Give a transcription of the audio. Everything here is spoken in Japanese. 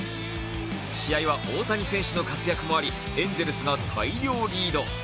試合は大谷選手の活躍もありエンゼルスが大量リード。